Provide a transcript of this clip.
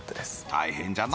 大変じゃな。